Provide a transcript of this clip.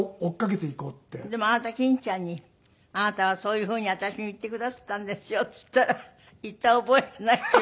でもあなた欽ちゃんに「あなたはそういうふうに私に言ってくだすったんですよ」って言ったら「言った覚えがない」って。